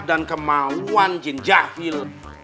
dan kemauan jin jahil